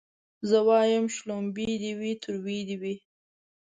زه وايم شلومبې دي وي تروې دي وي